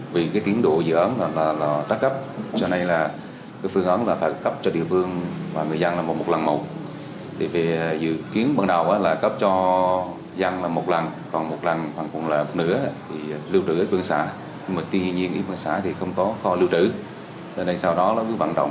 vì tiến độ dự án là các cấp cho nên là phương án phải cấp cho địa phương